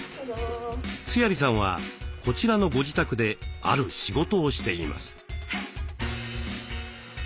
須鑓さんはこちらのご自宅である仕事をしています。